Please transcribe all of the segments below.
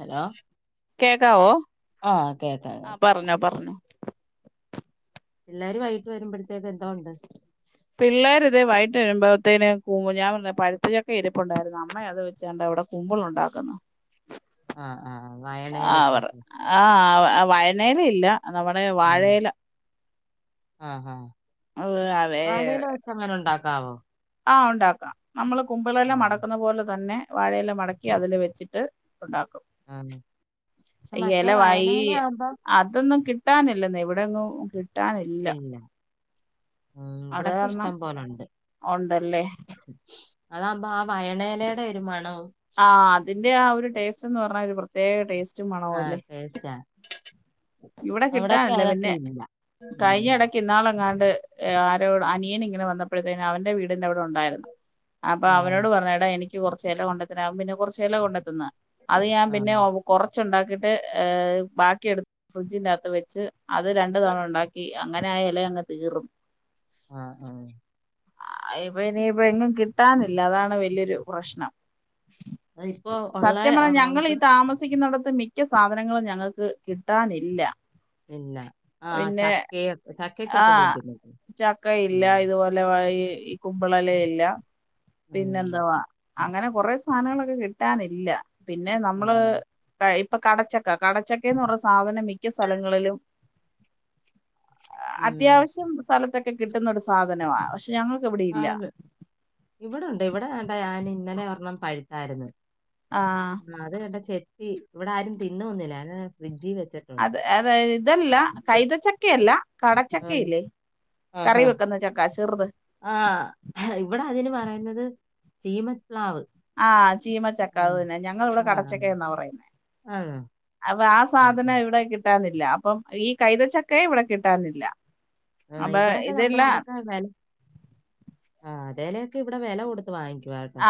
Hello കേക്കാവോ ആ കേക്കാം ആ കേക്കാം. പറഞ്ഞോ പറഞ്ഞോ എല്ലാരും വൈകട്ട് വരുമ്പോഴത്തേക്ക എന്താ ഉണ്ട് പിള്ളേർ ഇത് വൈകട്ട് വരുമ്പോഴത്തേന് കുമ് ഞാൻ പഴുത്ത ചക്ക ഇരിപ്പുണ്ടായിരുന്നു അമ്മ അത് വെച്ചണ്ട അവിടെ കുമ്പിൾ ഉണ്ടാക്കുന്നു ആആ ആ വായനെലൊക്കെ പറ ആ വഴനയില ഇല്ല നമ്മടെ വാഴയില ആ അതേ വാഴൽ വെച്ചങ്ങനെ ഉണ്ടാക്കാവോ ആ ഉണ്ടാക്കാം നമ്മള് ആ കുമ്പിളെല്ലാം മടക്കുന്ന പോലെ തന്നെ വാഴയെല്ലാം മടക്കി അതില് വെച്ചിട്ട് ഉണ്ടാക്കും ആ പക്ഷെ മറ്റേ ഇലവായി വയണയില ആകുമ്പോ അതൊന്നും കിട്ട് കിട്ടാനില്ല എവിടെങ്ങും കിട്ടാനില്ല ഉ അത് ഇവിടൊക്കെ കാരണം ഇഷ്ടം പോലെണ്ട് ഉണ്ടല്ലേ അതാമ്പോ ആ വയണേലയുടെ ഒരു മണവും ആഹ് അതിന്റെ ആ ഒരു ടേസ്റ്റ് എന്ന് പറഞ്ഞാ ഒരു പ്രത്യേക ടേസ്റ്റ് മണവും ആ അല്ലേ ടേസ്റ്റാ ഇവിടെ അവിടൊക്കെ കിട്ടാനില്ല അതൊക്കെ പിന്നെ ഇല്ല കഴിഞ്ഞ ഉം, ഇടക്ക് ഇന്നാളുഎ ങ്ങട് ആ ആരോട് അനിയൻ ഇങ്ങനെ വന്നപ്പോഴത്തേ അവന്റെ വീടിന്റെ അവിടെ ഉണ്ടായിരുന്നു അപ്പൊ ആ അവനോട് പറഞ്ഞേടാ എനിക്ക് കുറച്ച് ഇലകൊണ്ട് തരാൻ പിന്നെഅവൻ കുറച്ചില കൊണ്ടെത്തന്നു അത് ഞാൻ ആ പിന്നെ കൊറച്ചുണ്ടാക്കിട്ട് - ബാക്കിടുത്ത് ഫ്രിഡ്ജിന്റെകത്ത് വെച്ച് അത് രണ്ടു തവണ ഉണ്ടാക്കി അങ്ങനെ ആയല അങ്ങ് തീറും ആ ആ ഇനി ഇപ്പൊ ഇനി എങ്ങും കിട്ട കിട്ടാനില്ല അതാണ് വലിയൊരു പ്രശ്നം അതിപ്പോ ഉള്ള സത്യം ആ, പറഞ്ഞൽ ഞങ്ങൾ ഈ ഇവിടെ താമസിക്കുന്നിടത്ത് മിക്ക സാധനങ്ങളും ഞങ്ങൾക്ക് കിട്ടാനില്ല ഇല്ല ആ പിന്നെ ചക്കയൊ ആ ചക്കക്കൊക്കെ ബുദ്ധിമുട്ട് ചക്കയില്ല ഇതുപോലെ ഈ കുമ്പളത്തിന്റെ ഇലപിന്നെ ഉം, എന്താവാ അങ്ങനെ കൊറെ സാധനങ്ങളൊക്കെ കിട്ടി കിട്ടാനില്ലപിന്നെ നമ്മള് ഉം. -ഇപ്പൊ കടച്ചക്ക കടച്ചക്കന്ന് പറഞ്ഞ സാധ മിക്ക സ്ഥലങ്ങളിലും ഉം. അത്യാവശ്യം സ്ഥലത്തൊക്കെ കിട്ടുന്നൊ ഒരു സാധന ആന്ന് ഇവിടെണ്ട് ഇവിടെ വേണ്ട ഞൻ ഇന്നലെ ഒരെ ണ്ണം പഴുത്തായിരുന്നു ആഹ് ആ അത് കണ്ട് ചെത്തി ഇവിടെ ആരും തിന്ന ഒന്നില്ല ഫ്രിഡ്ജ അത് അത ഇതല്ല കൈത ചക്കയല്ല ഉം. കടച്ചക്കയില്ലേ കറി വെക്കുന്ന ചക്കാ ആഇവിടെ അതിന് പറയുന്നത് ചീമപ്ലാവ് ചീമ ആ ചക്കാ അതുതന്നെ ഞങ്ങ ൾ ഇവിടെ ആ കടച്ചക്ക എന്നാ പറയുന്നേ ആ ആ സാധനം ഇവിടെ കിട്ടാനില്ല അല്ല ഇപ്പൊ ഈ കൈതച്ചക്കയ ഇവിടെ കിട്ടാനില്ല ആ അപ്പൊ ഇവിടെക്കെ നമ്മൾ ഇതെല്ലാം അതൊക്കെ വില ആ അതലൊക്കെ ഇവിടെ വില കൊടു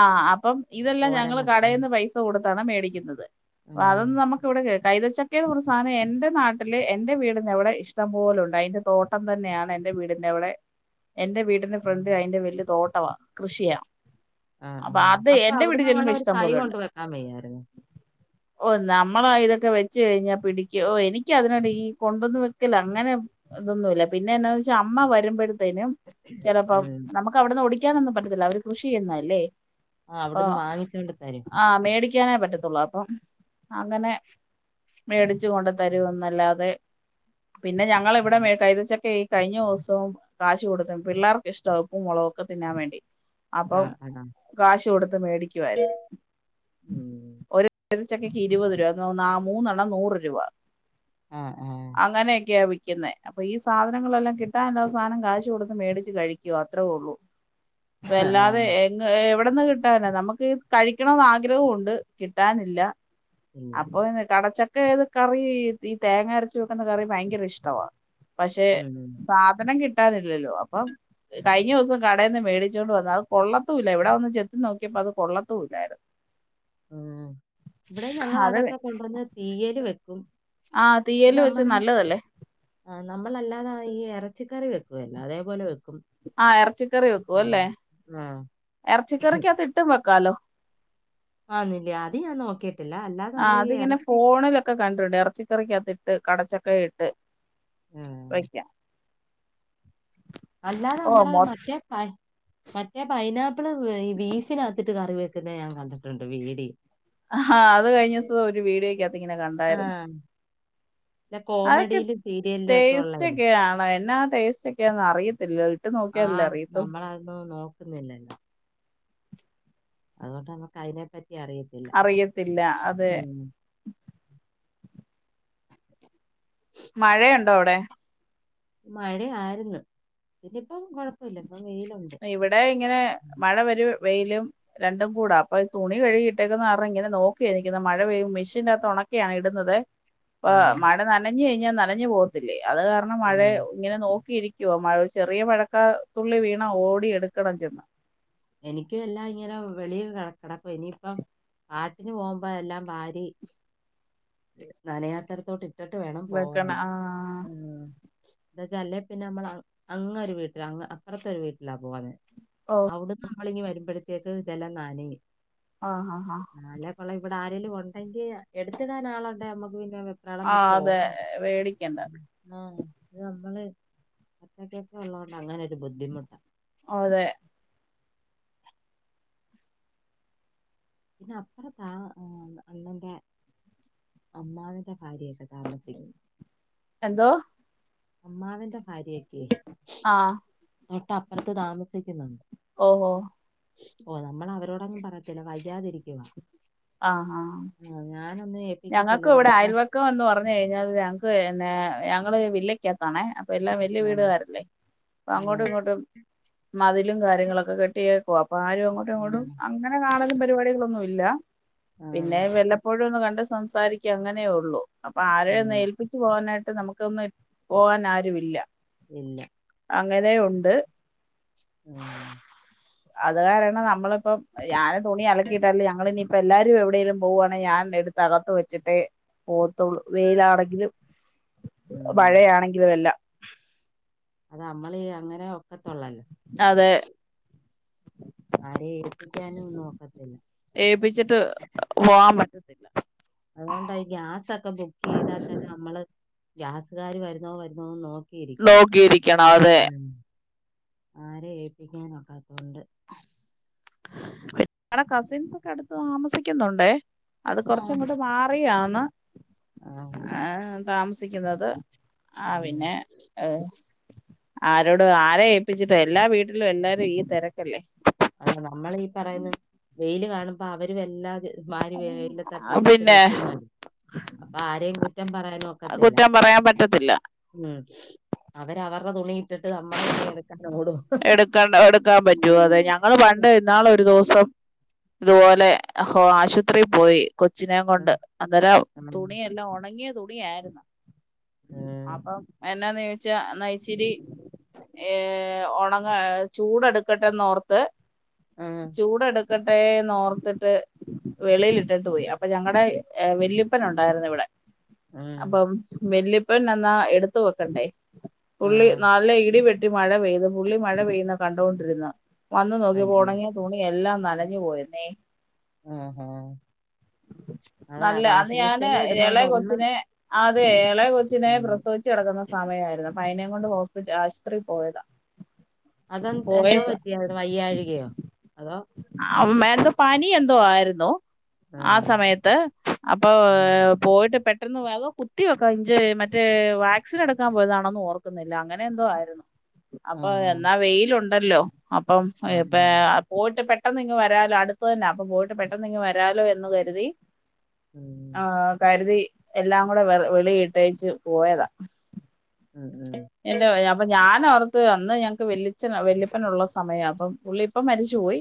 ആഅപ്പം ഇതെല്ലാം ഓരം വെക്കാൻ ഞങ്ങള്കടൽന്ന് പൈസ കൊടുത്താണ് മേടിക്കുന്നത് ആ അതൊന്നും നമ്മുക്ക് ഇവിടെ കേട്ട കൈതച്ചക്ക എന്നപറയുന്ന സാധനം എന്റെ നാട്ടിലെ എന്റെ വീടിന്റവിടെ ഇഷ്ടം പോല ഉണ്ട് അതിന്റെ തോട്ടം തന്നെയാണ് എന്റെ വീടിന്റെ അവിടെ എൻറെ വീടിന്റെ ഫ്രണ്ട് അതിറെ വലിയ തോട്ടമാ കൃഷിയാ ആ അപ്പൊ അത് ആഅപ്പൊ എന്റെ വീട്ടിൽ അവിടന്ന് ചെല്ലുമ്പോ വേണം ഒരു ഇഷ്ടം കൈ പോലുണ്ട് കൊണ്ട് വെക്കാൻ വയ്യരരുന്നു ഓ നമ്മളാ ഇതൊക്കെ വെച്ച്കഴിഞ്ഞ പിടിക്കുവോ ഓ എനിക്ക് അതിനോട് ഈ കൊണ്ടൊന്നു വെക്കല അങ്ങനെ ഇതൊന്നുമല്ല പിന്നെ എന്താന്ന് വെച്ചാ അമ്മ വരുമ്പോൾത്തേക്കു തീനം ചിലപ്പം ഉം. നമുക്ക് അവിടുന്ന് ഓടിക്കാനൊന്നും പറ്റത്തില്ല അവർ കൃഷി തിയന്നാല്ലേ ആ അപ്പോ അവിടുന്ന് വാങ്ങിച്ചോണ്ട് തരും ആ മേടി മേടിക്കാനെ പറ്റത്തുള്ളൂ അപ്പം അങ്ങനെ മേടിച്ച് കൊണ്ട് തരും എന്നല്ലാതെ പിന്നെ ഞങ്ങള ഇവിടെ ഉം. മേ കൈതച്ചക്കയായി കഴിഞ്ഞ ദിവസവും കാശ് കൊടുത്തും പിള്ളേർക്ക് ഇഷ്ടാ ഉപ്പും മുളകും ഒക്കെ തിന്നാൻ വേണ്ടി ആ അപ്പം ആ കാശ് കൊടുത്ത് മേടിക്കുവായിരുന്നു. ഉം. ഒരു കൈതച്ചക്കക്ക് ഇരുപത് രൂപ. നാ മൂന്നെണ്ണം നൂറ് രൂപ ആ ആ അങ്ങനെയൊക്കെയാ വിക് ക്ക്ന്നേ. അപ്പൊ ഈ സാധനങ്ങളെല്ലാം കിട്ടാണ്ടവസാനം കാശ് കൊടുത്ത് മേടിച്ച് കഴിക്കും അത്രയേ ഉള്ളു [unintelligible] വല്ലാതെ എങ്ങ് എവി വിട്ന്ന് കിട്ടാനാ? നമുക്ക് കഴിക്കണമെന്ന് ആഗ്രഹമുണ്ട് കിട്ടാനില്ല ഇല്ല. അപ്പൊ കടച്ചക്കെ ഏത് കറി ഈ തേങ്ങ അരച്ച് വെക്ക്ന്ന കറി ഭയങ്കര ഇഷ്ടവാ പക്ഷെ ഉം. സാധനം കിട്ടാനില്ലല്ലോ അപ്പം കഴിഞ്ഞ ദിവസം കടേന്ന് മേടിച് ച്ചോണ്ട് വന്ന്. അത് കൊള്ളത്തൂല്ല. ഇവിടെ വന്ന് ചെത്തി നോക്കിയപ്പോ അത് കൊള്ളത്തൂല്ലായിരുന്നു ഉം ഇവിടെയും ഞങ്ങൾ അതൊക്കെ കൊണ്ടുവന്ന് തീയല് വെക്കും ആഹ് പിന്നെ തീയല് വെച്ച നമ്മള് നല്ലതല്ലേ ആ നമ്മളല്ലാതെ ഈ എറച്ചിക്കറി വെക്കുവല്ലോ അതേപോലെ വെക്കും ആഹ് എറച്ചിക്കറി ഉം. വെക്കുവല്ലേ? ആ. എറച്ചിക്കറിക്കാത്തിട്ടും വെക് ക്കാലോ ആന്നില്ലേ? അത് ഞാൻ നോക്കീട്ട് ആ അതിങ്ങനെ ഫോണിലൊക്കെ കണ്ടിട്ടുണ്ട് എറച്ചിക്കറിക്കാത്തിട്ട് കടച്ചക്ക ഇട്ട് ആ. വെക്കാം അല്ലാതെ ഓ നമ്മടെ മൊ മറ്റേ പയി മറ്റേ പൈനാപ്പിള് ഈ ബീഫിനകത്തിട്ട് കറി വെക്ക്ന്ന ഞാൻ കണ്ടിട്ടുണ്ട് വീഡിയോ ഹാ അത് കഴിഞ്ഞ ദിവസം ഒരു വീഡിയോക്കകത്ത് ഇങ്ങനെ ആ. കണ്ടായിരുന്നു ഇല്ല അതൊക്കെ കോമഡിയിലും സീരിയലിലും ഒക്കെ ഉള്ളതേ. ടേസ്റ്റൊക്കെയാണ്. എന്നാ ടേസ്റ്റൊക്കെയാന്ന് അറിയത്തില്ല ഇട്ട് നോക്കിയാലല്ലേ ആഹ് അറിയത്തു നമ്മളതൊന്നും നോക്കുന്നില്ലല്ലോ അതുകൊണ്ട് നമുക്ക് അതിനെ പറ്റ് അറിയത്തില്ല അത് മഴയുണ്ടോ അവിടെ മഴയാരുന്നു പിന്നെയിപ്പം കുഴപ്പില്ല ഇവിടെ ഇങ്ങനെ മഴ വരും വെയിലും രണ്ടും കൂടാ. അപ്പൊ തുണി കഴികിട്ടേക്ക്ന്ന കാരണം ഇങ്ങനെ നോക്കി നിക്ക്ന്ന് മഴ പെയ്യും മെഷീന്റാത്ത് ഒണ ക്കിയാണ് ഇട്ന്നത് ആ, ഈഹ് മഴ നനഞ്ഞ് കഴിഞ്ഞാൽ നനഞ്ഞു പോകത്തില്ലേ? അത് കാരണം മഴ പിന്നെ ഇങ്ങനെ നോക്കിയിരി ക്കുവാ. മഴ ചെറിയ മഴക്കാത്തുള്ളി വീണാ ഓടി എടുക്കണം ചെന്ന് എനിക്കു എല്ലാ ഇങ്ങനെ വെളീ കിടക്കുവാ ഇനിയിപ്പം പാട്ടിന് പോകുമ്പോ എല്ലാം വാരി നനയാത്തടത്തോട്ടിട്ട് ഇട്ട്ട്ട് വേണം പോവാന്. വെക്കണം ആ ആഹ് എന്താ വച്ചാ അല്ലേ പിന്നെ നമ്മളങ്‌ അങ്ങൊരു വീട്ടിലാ അങ്ങ് അപ്പറത്തൊരു വീട്ടിലാ പോന്നെ ഓ അവിടുന്ന് നമ്മളിങ്ങ് വരുമ്പഴത്തേക്ക് ഇതെല്ലാം നനയും ആഹ് ആഹ് ഹാ നാളെ കൊള്ളാം ഇവിടെ ആരേലും ഉണ്ടെങ്കി എടുത്തിടാൻ ആളുണ്ടേ അമ്മക് പിന്നെ വെപ്രാളം ആ പിടിച്ച് അതെ ഓടണ്ട. പേടിക്കണ്ട ആ അത് നമ്മള് ഒറ്റക്കൊക്കെ ഉള്ളത് കൊണ്ട് അങ്ങനൊരു ബുദ്ധിമുട്ടാ ഓ, അതെ പിന്നെ അപ്പുറത്താ ഈഹ് അണ്ണന്റെ അമ്മാവന്റെ ഭാര്യയൊക്കെ താമസിക്കുന്ന് എന്തോ അമ്മാവന്റെ ഭാര്യയൊക്കെയേ ആഹ് തൊട്ടപ്പുറത്ത് താമസിക്കുന്നുണ്ട് ഓ ഓ ഓ നമ്മൾ അവരോടങ്ങും പറയത്തില്ല വയ്യാതിരിക്കവാ ആഹ് ആഹ് ഏൽപ്പിക്കത്തില്ല ഞങ്ങക്ക് ഇവിടെ ചിലപ്പോ അയൽവക്കം എന്ന് പറഞ്ഞു കഴിഞ്ഞാല് ഞങ്ങക്ക്ന്നെ ഞങ്ങള് വില്ലക്കകത്താണേ അപ്പ എല്ലാം വലിയ ആ, വീടുകാാരല്ലേ അപ്പ ആ, അങ്ങോട്ടും ഇങ്ങോട്ടും മതിലും കാര്യങ്ങളൊക്കെ കെട്ടിയ അപ്പ ആരും അങ്ങോട്ടും ആ, ഇങ്ങോട്ടും അങ്ങനെ കാണലും പരിപാടികളൊന്നും ഇല്ല ആ, പിന്നെ വല്ലപ്പോഴും ഒന്നും കണ്ട സംസാരിക്ക അങ്ങനെയ ഉള്ളൂ അപ്പൊ ആരെയ ഉം, നേഏൽപ്പിച്ചച്ച് പോകാനായിട്ട് ് നമുക്കൊന്നും പോവാൻ ആരു ഇില്ല ഇല്ല അങ്ങനെയുണ്ട് ആഹ് അതുകാരണം നമ്മളിപ്പം ഞാന് തുണി അലക്കിയിട്ല്ഞങ്ങൾ ഇനിയിപ്പോ എല്ലാരും എവിടെേങ്കലും പോവുവാണേ ഞാൻ എടുത്തകത്ത് വെച്ചിട്ടേ പോത്തുള്ളൂ വെയിലാണെങ്കിലും ഉം. മഴയാണെങ്കിലും എല്ല അത് നമ്മളീ അങ്ങനെ ഒക്കത്തള്ളല്ലോ അതെ ആര ഏൽപ്പിക്കാനും നോക്കത്തില്ല ഏൽപ്പിച്ചിട്ട് പോവാൻ പറ്റത്തില്ല അതുകൊണ്ട ഈ ഗ്യാസൊക്കെ ബുക്ക് ചെയ്താൽ തന്നെ നമ്മള് ഗ്യാസുകാർ വരുന്നോ വരുന്നോന്ന് നോക്ക നോക്കിയിരിക്കണാതെ ആരെ ഏല്പ്പിക്കാനൊക്കാ ത്തൊണ്ട് ഞങ്ങടെ കസിൻസ്സെക്കെ, എടുത്ത് താമസിക്കുന്നുണ്ട്. അത് ആ, കുറച്ച് അങ്ങേട്ട് മാറിയാന്ന് ആ, ഏ താമസിക്കുന്നത്. ആ ഉം. പിന്നെ ഏ ആരോട് ആരെ ഏൽപ്പിച്ചിട്ടാ, എല്ലാ വീട്ടിലും എല്ലാരും ഈ തിരക്കല്ലേ? അതാ നമ്മൾ ഈ പറയുന്ന വെയില് കാണുമ്പോ അവര വര്ലാ. ഭാര് വേദനായിട്ട് പിന്നെ നിക്കുന്നാ അപ്പ ആരെയും കുറ്റംപറയാൻ നേക്കത്തില്ല കുറ്റം പറയാൻ പറ്റത്തില്ല ഉം അവരവർ പ്പ തുണിയിട്ടിട്ട് നമ്മളെ തുണി എടുക്കാ... എടുക്കണ്ട എടുക്കാൻ പറ്റുവേ... അത് ഞങ്ങള് അതെ. പണ്ട് ഇന്നാള് ഒരു ദൂസം. ഇതുപോലെ ഹോ ആശുത്രീ പോയി. കൊച്ചിനെം ഉം, കൊണ്ട്, അന്നേരം ഉം, തുണിയെല്ലാം ഉണങ്ങിയ തുണിയായിരുന്നു. ഉം, അപ്പം എന്നാന്ന് ചോദിച്ചാ എന്നാ ഇച്ചിരി ഏ... ഓൺ അങ്ങ് ചൂടെടുക്കട്ടെന്നേർത്ത് ഉം, ചൂടെടുക്കട്ടെ ന്നേർത്ത് ത് വെളിൽഇട്ടിട്ട് പേയി അപ്പൊ ഞങ്ങടെ വെല്ലൃപ്പൻ ഉണ്ടായിരുന്നു ഇവിടെ. ഉം, അപ്പം വല്ലിപ്പൻ എന്നാ, എടുത്ത വെക്കണ്ടേ? പുള്ളി ഉം. നല്ലെ ഇടി, വെട്ടി മഴ പെയ്ത് പുള്ളി മഴ പെയ്ത് കണ്ടേണ്ടിരുന്നാ. വന്ന് അയ്യോ നോക്കിപ്പോടങ്ങിയാ തുണി എല്ലാം നനഞ്ഞു പോയിരുന്നേ ഹ. ലേ... നല്ല അത് ഞാന് ഇടുന്നോണ്ട് എളെ ഒന്നും കൊച്ചിന് ആ അത് ഏളെ കൊച്ചിനെ ഉം. പ്രസവിച്ച്കിടക്കുന്ന സമയമായിരുന്നു അപ്പൊ അതിനേം കൊണ്ട് ഹോ. ആശുപത്രിയിൽ പോയതാ അതെന്ത് എന്തോ പേയതാ. പറ്റിയായിരുന്നു വയ്യാഴികയോ അതോ അമ്മെൻ്റെ പനി എന്ത ആയിരുന്നു ആ ഉം, സമയത്ത് അപ്പൊ.. ഉം, പോയിട്ട് പെട്ടെ അതോ കുത്തിയ കജ്ജ് മറ്റെവാക്സിൻ എടുക്കാൻ പോയതാണേന്നേർക്ക് ന്നില്ല അങ്ങനെന്തോ, ആയിരുന്നു ആ, അപ്പൊ, എന്നാ വെയിലുണ്ടല്ലോ... അപ്പം ആ, ആ, എപ്പെ.. ആ. പോയിട്ട പെട്ട് പെട്ടെന്നിങ്ങ് വരാലോ, അടുത്തെന്നാ അപ്പ പെട്ടെന്നിങ്ങ് വെരാലേ എന്നും കരുതി. ഉം, ആഹ് കരുതി. എല്ലാം കൂടെ വെള വെളീഇട്ടേച്ച് പോയതാ. ഉം, ഉം, എന്റെയ. അപ്പ ഞാനേർത്ത് അന്ന് ഞങ്ങക്ക് വല്ലിച്ചൻ വെല്ലിപ്പനുള്ള സമയം അപ്പം പുള്ളിപ്പ മരിച്ചുപോയി,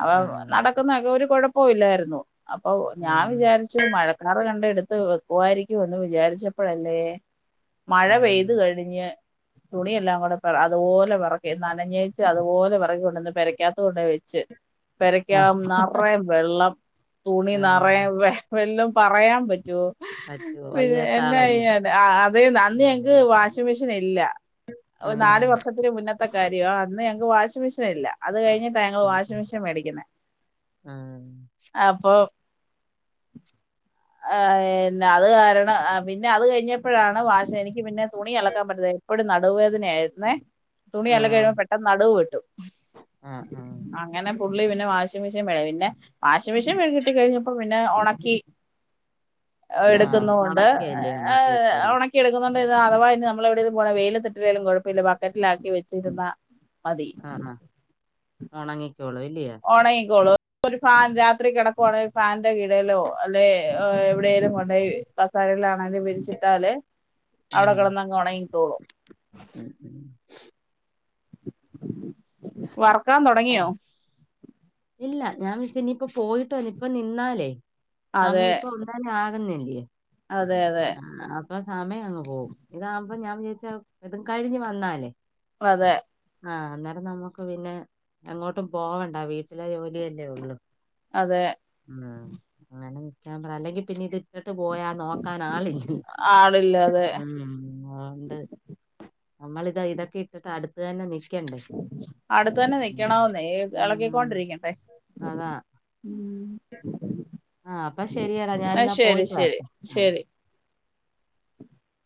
അപ്പ ആ, നടക്കുന്നതെക്കെ ഒരു കുഴപ്പമില്ലായിരുന്നു അപ്പൊ ആ, ഞാൻ വിചാരിച്ചു മഴക്കാറ് കണ്ട എടുത്ത് വെയ് പോവായിരിക്കുമെന്ന് വിചാരിച്ചപ്പെഴല്ലേ.. മഴ ഉം. പെയ്ത് കഴിഞ്ഞ്. [inaudible] തുണിയെല്ലാം കൂടെ പെറ അതുപോലെ പെറക്കി നനഞ്ഞേച്ച് അതുപോലെ പെറകി കൊണ്ടെന്ന് പെരയ്ക്കാത്ത് കൊണ്ടെയ് വെച്ച് കഷ് പെരക്കാം നറെ.. വെള്ളം. തുണി ആ നറെം.. വല്ലും. പറയാൻ പറ്റോ.. പറ്റോ പിന്നെ വയ്യാത്ത ആളല്ലേ എന്നെയാന അതെനാ അന്ന് ആ ഞങ്ങക്ക് വാഷി മെഷീൻ ന്നില്ല ആ, ന്നാല് വർഷത്തിനു മുന്നത്തെ കാര്യോ അന്ന് ഞങ്ങക്ക് വാഷി മെഷീ... ല്ല അത് കഴിഞ്ഞിട്ടാ ഞങ്ങൾ ഉം വാഷിംഗ്‌ ഉം മെഷീൻ മേടിക്കുന്നത്, ആ അപ്പൊ. അ ന്നെ. അത് കാരണം പിന്നെ അത് കഴിഞ്ഞപ്പോഴാണ് വാശ എനിക്ക് പിന്നെ. തുണി അലക്കാൻ പറ്റില്ല. എപ്പഴും, നടുവേദനായിരുന്നേ? ആ തുണിഅലക്കി കഴിയുമ്പോ പെട്ടെന്ന് നടുവ വെട്ടും. ആ ആ അങ്ങനെ പുള്ളി പിന്നെ വാഷിം മെഷീൻ മെടി പിന്നെ വാഷിംഗ് മെഷീൻ കിട്ടി കഴിഞ്ഞപ്പോ പിന്നെ ഉണക്കി ആ എടുക്കുന്നുണ്ട്. ഒണക്കയല്ലേ നമ്മക്ക് കിട്ടുന്നെ ഉണക്കി എടുക്കുന്നു അഥവാ ഇനി നമ്മെളെ വിടെങ്കിലും പോവാണെങ്കി വെയിലട്ടിത്തിട്ടില്ലെലും കെഴപ്പെല്ല ബക്കറ്റിലാക്കി വെച്ചിരുന്നാ... മതി ആണ. ഉണങ്ങിക്കോളൂ, ഇല്ലയോ? ഉണങ്ങിക്കോളും ഒരു ഫാദ് രാത്രി കിടക്കുവാണെങ്കിൽ ഫാന്റെ കീഴെലോ അല്ലെ എവിടെലും കൊണ്ടയ്.. കസ ലേലാണെങ്കിൽ ആണെങ്കിൽ വിരിച്ചിട്ടാല് അവിടെ ഉം കിടന്നങ്ങ് ഉണങ്ങിക്കോളും ഉം ഉം. വറക്കാൻ തുടങ്ങിയോ... ഇല്ല ഞാൻ നിപ്പോനി പോയിട്ടു ഇപ്പ നിന്നാലേ അതെ സമയം ഇപ്പം ഞാ... [unintelligible] അതെ അതെ [unintelligible] അപ്പൊ സമയങ്ങ് പോവും ഇതാബം ഞാൻ [unintelligible] ഇതും കഴിഞ്ഞ് വന്നാലേ അതെ ആ അന്നേരം നമുക്ക് പിന്നെ എങ്ങോട്ടും പോകണ്ട, വീട്ടിലെ ജോലിയല്ലേ ഉള്ളു അതെ മ്... അങ്ങനെ നിക്കാൻ പറ. അല്ലെങ്കി പിന്നെ ഇതിട്ടിട്ട് പോയാ നോ നാളെ [inaudible] ആളില്ലാതെ ആഹ് ഇണ്ട് നമ്മളിത ഇതൊക്കെട്ടിട്ട് അടുത്തന്നെ നി [unintelligible] അടുത്ത തന്നെ നിക്കണമന്നേ ഉം. ഇളക്കിക്കൊണ്ടിരിക്കട്ടെ അതാ ആഅപ്പൊ ശെരിയടാ ആ ഞാനിന്നാ ശരി പോയിട്ട് ശരി വരട്ട് ശരി [unintelligible]